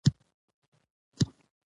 بيا ښځه چې په همدې کلچر کې رالوى شوې،